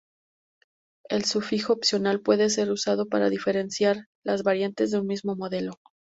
El sufijo opcional puede ser usado para diferenciar las variantes de un mismo modelo.